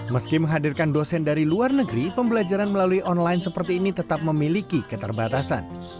meski menghadirkan dosen dari luar negeri pembelajaran melalui online seperti ini tetap memiliki keterbatasan